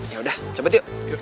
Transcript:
ya udah sabet yuk